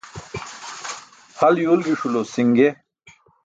Hal yuwlġiṣulo si̇nge.